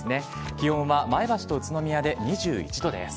気温は前橋と宇都宮で２１度です。